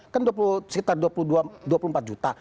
kan sekitar dua puluh empat juta